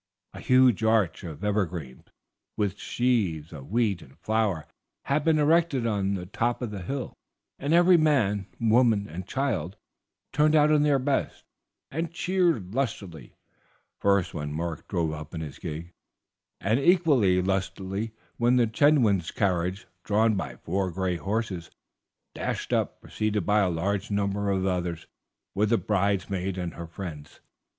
A huge arch of evergreens, with sheaves of wheat and flowers, had been erected on the top of the hill, and every man, woman, and child turned out in their best, and cheered lustily, first, when Mark drove up in his gig, and equally lustily when the Chetwynd carriage, drawn by four gray horses, dashed up, preceded by a large number of others with the bridesmaids and friends.